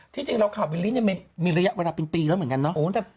จริงเราข่าวบิลลิ้นมีระยะเวลาเป็นปีแล้วเหมือนกันเนาะ